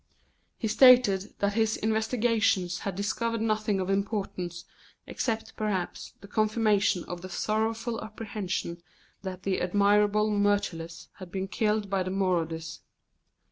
He stated that his investigations had discovered nothing of importance, except, perhaps, the confirmation of the sorrowful apprehension that the admirable Myrtilus had been killed by the marauders.